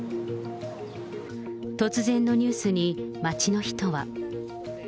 突然のニュースに街の人は。